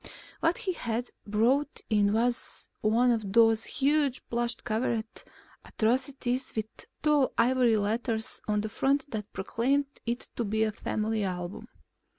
What he had brought in was one of those huge, plush covered atrocities with tall ivory letters on the front that proclaimed it to be a Family Album.